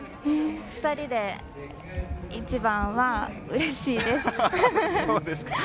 ２人で１番はうれしいです。